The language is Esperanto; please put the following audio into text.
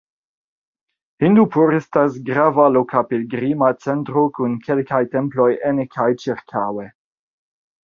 Hindupur estas grava loka pilgrima centro kun kelkaj temploj ene kaj ĉirkaŭe.